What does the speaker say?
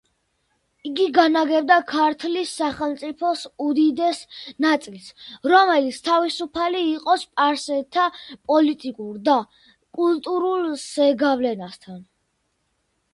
იგი განაგებდა ქართლის სახელმწიფოს უდიდეს ნაწილს, რომელიც თავისუფალი იყო სპარსელთა პოლიტიკურ და კულტურულ ზეგავლენისაგან.